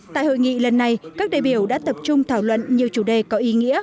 tại hội nghị lần này các đại biểu đã tập trung thảo luận nhiều chủ đề có ý nghĩa